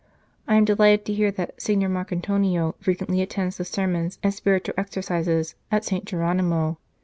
I am delighted to hear that Signor Marcantonio frequently attends the sermons and spiritual exercises at St. Geronimo.